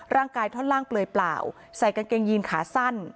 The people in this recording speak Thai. ท่อนล่างเปลือยเปล่าใส่กางเกงยีนขาสั้น